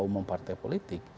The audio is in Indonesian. umum partai politik